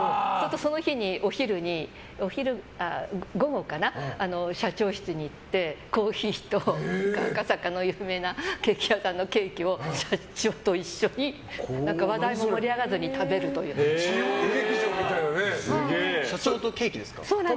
その日の午後に、社長室に行ってコーヒーと、赤坂の有名なケーキ屋さんのケーキを社長と一緒に話題も盛り上がらずに社長とケーキですか？